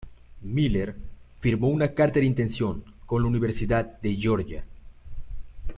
Miller firmó una carta de intención con la Universidad de Georgia.